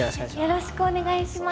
よろしくお願いします。